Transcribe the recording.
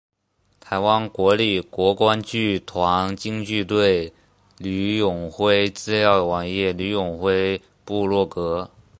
台湾国立国光剧团京剧队吕永辉资料网页吕永辉部落格